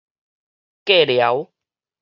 過聊